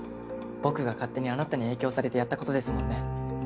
僕が勝手にあなたに影響されてやったことですもんね。